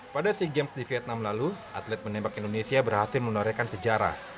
pada sea games di vietnam lalu atlet menembak indonesia berhasil menorehkan sejarah